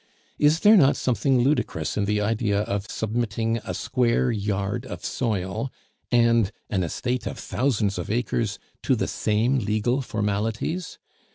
Is there not something ludicrous in the idea of submitting a square yard of soil and an estate of thousands of acres to the same legal formalities?